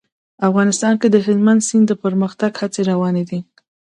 افغانستان کې د هلمند سیند د پرمختګ هڅې روانې دي.